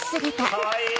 かわいい！